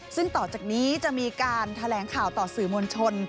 ซึ่งต่อจากนี้จะมีการแถลงข่าวต่อสื่อมวลชน